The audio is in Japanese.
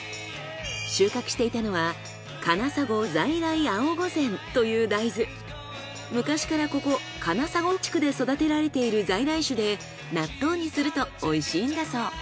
収穫していたのは昔からここ金砂郷地区で育てられている在来種で納豆にするとおいしいんだそう。